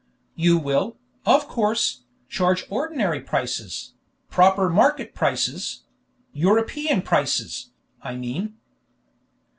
"You will, of course, charge ordinary prices proper market prices; European prices, I mean."